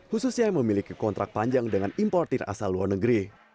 khususnya yang memiliki kontrak panjang dengan importer asal luar negeri